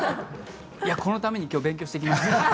このために今日勉強してきました。